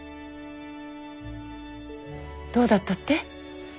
どうだったって？